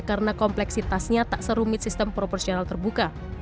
karena kompleksitasnya tak serumit sistem proporsional terbuka